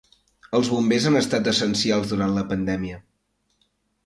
Els bombers han estat essencials durant la pandèmia.